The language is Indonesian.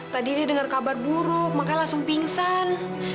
tadi ini dengar kabar buruk makanya langsung pingsan